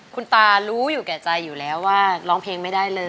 คุณตารู้อยู่แก่ใจอยู่แล้วว่าร้องเพลงไม่ได้เลย